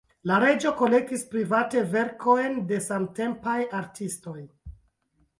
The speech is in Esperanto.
La reĝo kolektis private verkojn de samtempaj artistoj.